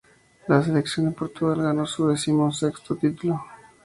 La selección de Portugal ganó su decimosexto título.